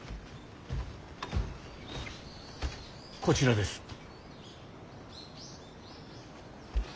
こちらです。